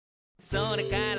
「それから」